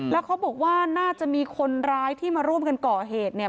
แล้วเขาบอกว่าน่าจะมีคนร้ายที่มาร่วมกันก่อเหตุเนี่ย